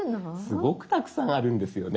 すごくたくさんあるんですよね。